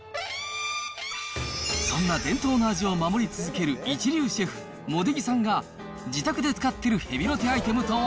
そんな伝統の味を守り続ける一流シェフ、茂出木さんが、自宅で使ってるヘビロテアイテムとは？